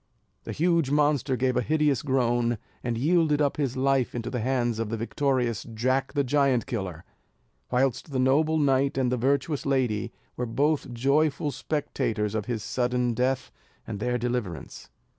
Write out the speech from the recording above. The huge monster gave a hideous groan, and yielded up his life into the hands of the victorious Jack the Giant Killer, whilst the noble knight and the virtuous lady were both joyful spectators of his sudden death and their deliverance.